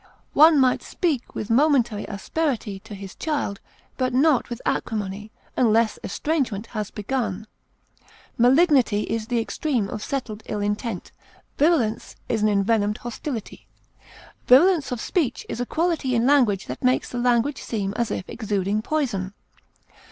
One might speak with momentary asperity to his child, but not with acrimony, unless estrangement had begun. Malignity is the extreme of settled ill intent; virulence is an envenomed hostility. Virulence of speech is a quality in language that makes the language seem as if exuding poison.